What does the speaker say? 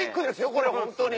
これ本当に。